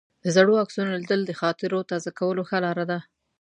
د زړو عکسونو لیدل د خاطرو تازه کولو ښه لار ده.